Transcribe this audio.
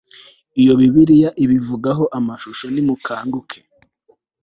Icyo Bibiliya ibivugaho Amashusho Nimukanguke